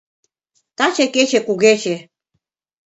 Таче кече Кугече